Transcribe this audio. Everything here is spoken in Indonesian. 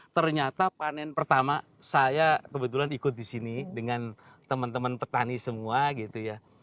ternyata panen pertama saya kebetulan ikut di sini dengan teman teman petani semua gitu ya